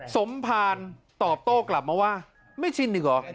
สมภารตอบโต้กลับมาว่าไม่ชินอีกเหรอ